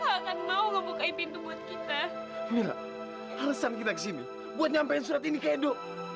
akan mau membuka pintu buat kita mila alasan kita ke sini buat nyampein surat ini ke edo